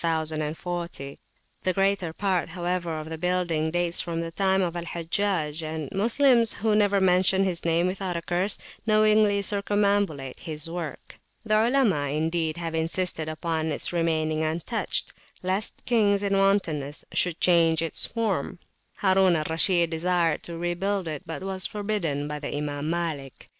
The greater part, however, of the building dates from the time of Al Hajjaj; and Moslems, who never mention his name without a curse, knowingly circumambulate his work. The Olema indeed have insisted upon its remaining untouched, lest kings in wantonness should change its form: Harun al Rashid desired to rebuild it, but was forbidden by the Imam Malik.